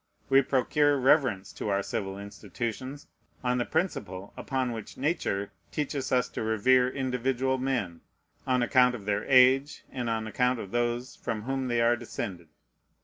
We procure reverence to our civil institutions on the principle upon which Nature teaches us to revere individual men: on account of their age, and on account of those from whom they are descended.